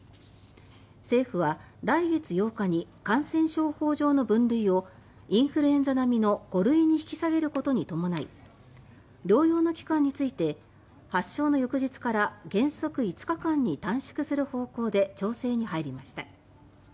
政府は、来月８日に感染症法上の分類をインフルエンザ並みの５類に引き下げることに伴い療養の期間について発症の翌日から原則５日間に短縮する方向で調整に入りました。